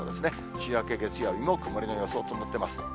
週明け月曜日も曇りの予想となっています。